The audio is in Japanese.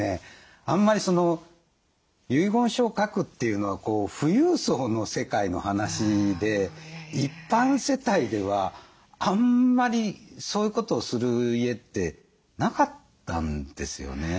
あんまり遺言書を書くっていうのは富裕層の世界の話で一般世帯ではあんまりそういうことをする家ってなかったんですよね。